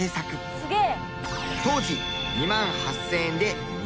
すげえ！